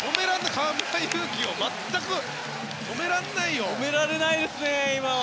河村勇輝を全く止められないよ！